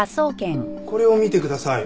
これを見てください。